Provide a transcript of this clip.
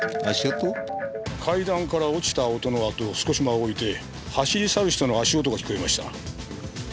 階段から落ちた音の後少し間をおいて走り去る人の足音が聞こえました。